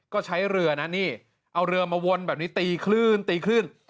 ก็ใช้เรือนะนี่เอาเรือมาวนแบบนี้ตีคลื่นตีคลื่น